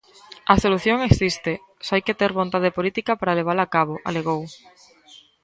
A solución existe, só hai que ter vontade política para levala a cabo, alegou.